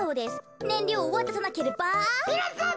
ねんりょうをわたさなければ。